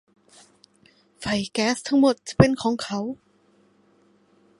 ไฟแก๊สทั้งหมดจะเป็นของเขา